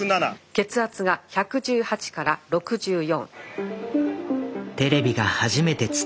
血圧が１１８から６４。